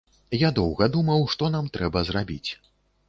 Я доўга думаў, што нам трэба зрабіць.